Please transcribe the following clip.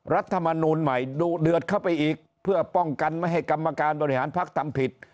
รัฐมนูลใหม่ดุเดือดเข้าไปอีกเพื่อป้องกันไม่ให้กรรมการบริหารพักทำผิด